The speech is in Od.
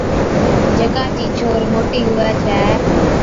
جڪا چِي ڇوھِر موٽِي ھُوي ڇَي